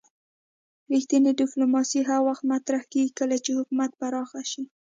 رښتینې ډیپلوماسي هغه وخت مطرح کیږي کله چې حکومت پراخ شي